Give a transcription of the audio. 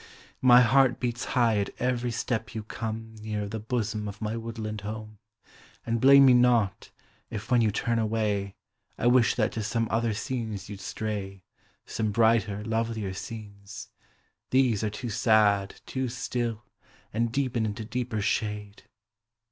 17o My heart beats high at every step you come Nearer the hosom of my woodland home ; And blame me not, if when you turn away I wish that to some other scenes you'd stray, Some brighter, loveHer scenes ; these are too sad. Too still, and deepen into deeper shade.